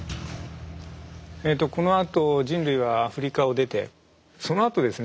えとこのあと人類はアフリカを出てその後ですね